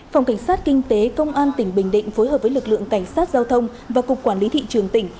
phòng cảnh sát kinh tế công an tỉnh bình định phối hợp với lực lượng cảnh sát giao thông và cục quản lý thị trường tỉnh